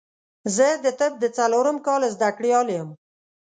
زه د طب د څلورم کال زده کړيال يم